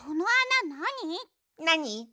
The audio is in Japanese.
なに？